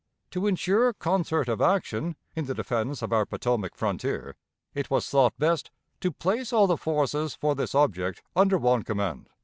To insure concert of action in the defense of our Potomac frontier, it was thought best to place all the forces for this object under one command.